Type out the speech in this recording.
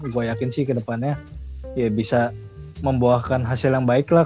gue yakin sih ke depannya ya bisa membuahkan hasil yang baik lah